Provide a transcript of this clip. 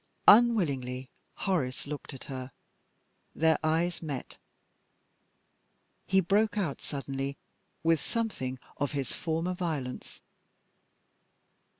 Unwillingly Horace looked at her. Their eyes met. He broke out suddenly with something of his former violence.